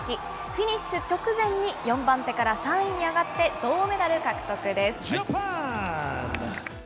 フィニッシュ直前に４番手から３位に上がって、銅メダル獲得です。